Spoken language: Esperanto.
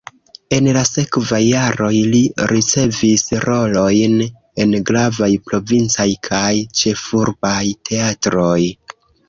En la sekvaj jaroj li ricevis rolojn en gravaj provincaj kaj ĉefurbaj teatroj.